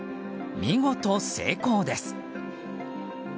見事、成功です。